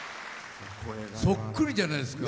そっくりじゃないですか。